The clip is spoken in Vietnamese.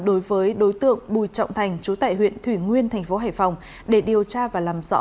đối với đối tượng bùi trọng thành trú tại huyện thủy nguyên tp cnh để điều tra và làm rõ